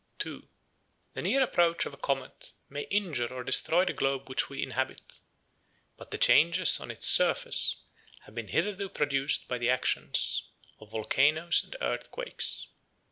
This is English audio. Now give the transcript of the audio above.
The near approach of a comet may injure or destroy the globe which we inhabit; but the changes on its surface have been hitherto produced by the action of volcanoes and earthquakes.